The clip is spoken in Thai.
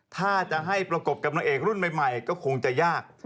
ถ้าจะให้ประกบกับนางเอกรุ่นใหม่ก็คงจะยาก